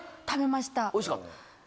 おいしかった？